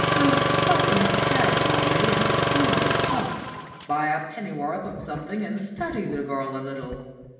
Just stop in a casual way and hear her talk. Buy a pennyworth of something and study the girl a little.